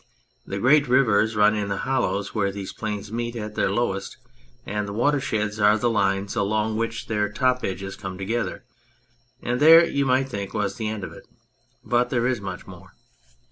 The great rivers run in the hollows where these planes meet at their lowest, and the watersheds are the lines along which their top edges come together and there, you might think, was the end of it : but there is much more.